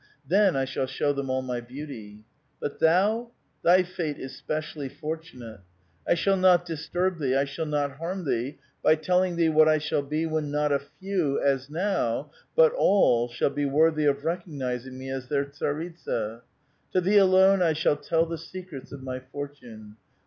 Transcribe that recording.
Then I shall show them all my beauty. But thou ! thy fate is spe cially fortunate. I shall not disturb thee, I shall not harm thee, by telling thee what I shall be when not a few, as now, but all, shall be worthy of recognizing me as their tsaritsa. To thee alone I shall tell the secrets of my fortune.